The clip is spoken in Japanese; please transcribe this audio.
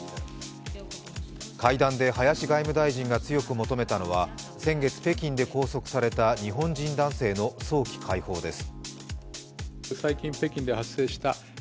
会談で林外務大臣が強く求めたのは、先月北京で拘束された日本人男性の早期解放です。